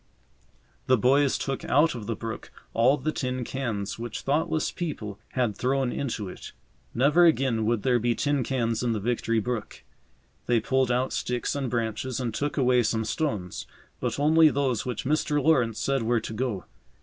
The boys took out of the brook all the tin cans which thoughtless people had thrown into it. Never again would there be tin cans in the Victory brook. They pulled out sticks and branches and took away some stones, but only those which Mr. Lawrence said were to go.